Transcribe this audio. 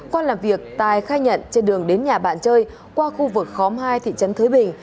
qua làm việc tài khai nhận trên đường đến nhà bạn chơi qua khu vực khóm hai thị trấn thới bình